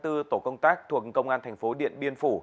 tổ công tác thuộc công an thành phố điện biên phủ